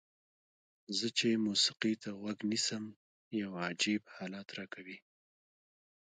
زه چې موسیقۍ ته غوږ نیسم یو عجیب حالت راکوي.